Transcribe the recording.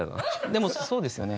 でもそうですよね。